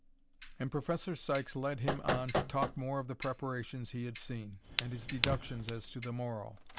And Professor Sykes led him on to talk more of the preparations he had seen, and his deductions as to the morrow.